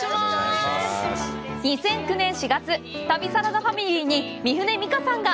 ２００９年４月、旅サラダファミリーに三船美佳さんが！